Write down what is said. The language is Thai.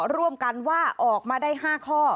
ร่วมกันว่าออกมาได้๕ข้อ